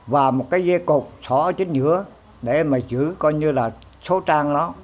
và một cái dây cột sỏ ở chính giữa để mà giữ coi như là số trang đó